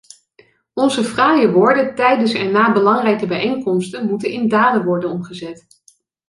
Onze fraaie woorden tijdens en na belangrijke bijeenkomsten moeten in daden worden omgezet.